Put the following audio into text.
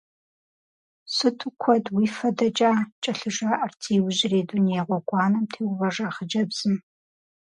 Сыту куэд уи фэ дэкӏа! — кӏэлъыжаӏэрт, зи иужьрей дуней гъуэгуанэм теувэжа хъыджэбзым.